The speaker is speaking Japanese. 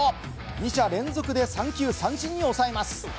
２者連続で三球三振に抑えます。